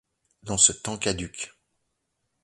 Dans ce temps caduc.